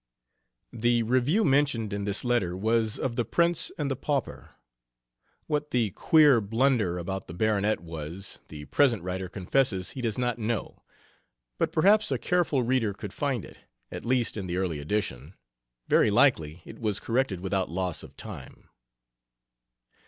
The review mentioned in this letter was of The Prince and the Pauper. What the queer "blunder" about the baronet was, the present writer confesses he does not know; but perhaps a careful reader could find it, at least in the early edition; very likely it was corrected without loss of time.